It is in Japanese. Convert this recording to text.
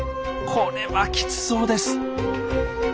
これはきつそうです。